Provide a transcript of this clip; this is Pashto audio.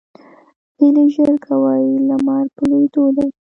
هلئ ژر کوئ ! لمر په لوېدو دی